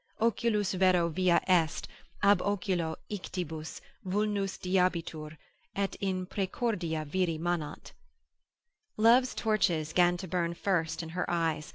Oculos vero via est, ab oculi ictibus Vulnus dilabitur, et in praecordia viri manat. Love's torches 'gan to burn first in her eyes.